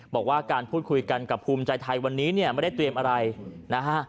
บอกว่าการพูดคุยกันกับภูมิใจไทยวันนี้เนี่ยไม่ได้เตรียมอะไรนะฮะ